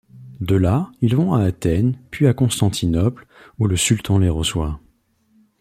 De là, ils vont à Athènes, puis à Constantinople où le sultan les reçoit.